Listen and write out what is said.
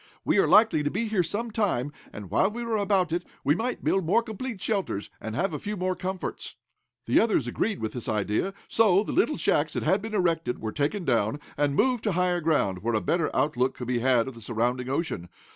We are likely to be here some time, and, while we are about it, we might build more complete shelters, and have a few more comforts." The others agreed with this idea, so the little shacks that had been erected were taken down, and moved to higher ground, where a better outlook could be had of the surrounding ocean.